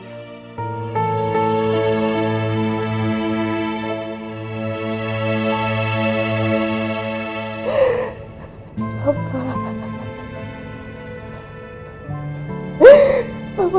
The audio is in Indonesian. saya berharap rafa akan selalu berjaya untuk menemui kalian